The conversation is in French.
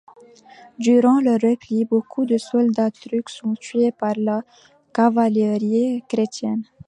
Durant leur repli, beaucoup de soldats turcs sont tués par la cavalerie chrétienne.